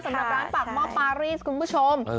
สำหรับร้านปากหม้อปารีสคุณผู้ชม